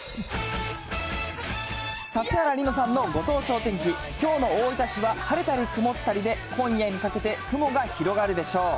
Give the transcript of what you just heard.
指原莉乃さんのご当地お天気、きょうの大分市は晴れたり曇ったりで、今夜にかけて雲が広がるでしょう。